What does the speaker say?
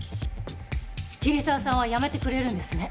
桐沢さんは辞めてくれるんですね？